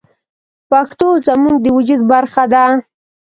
پښتو زموږ د وجود برخه ده.